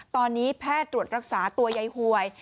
ตอนนี้แพทย์ตรวจรักษาตัวยายหวย